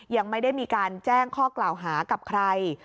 ยังไม่ได้มีการแจ้งข้อกล่าวหากับใคร